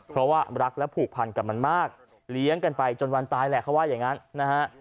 เพราะว่ารักและผูกพันกับมันมากเลี้ยงกันไปจนวันตายแหละเขาว่าอย่างนั้นนะฮะ